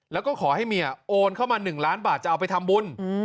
แล้วก็ขอให้เมียโอนเข้ามา๑ล้านบาทจะเอาไปทำบุญ